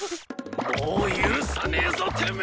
もう許さねえぞてめぇ！